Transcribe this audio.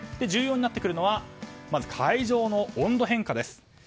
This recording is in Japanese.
重要になってくるのは会場の温度変化です。